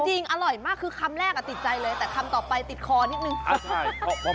จริงอร่อยมากคือคำแรกติดใจเลยแต่คำต่อไปติดคอนิดนึง